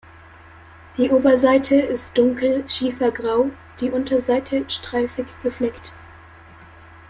Die Oberseite ist dunkel schiefergrau, die Unterseite streifig gefleckt.